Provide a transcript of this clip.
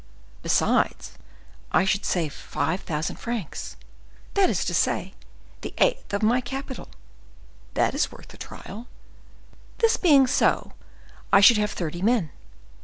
Besides, I should save five thousand francs; that is to say, the eighth of my capital; that is worth the trial. This being so, I should have thirty men.